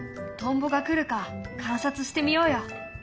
トンボが来るか観察してみようよ。